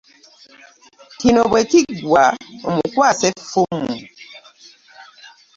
Kino bwe kiggwa amukwasa effumu.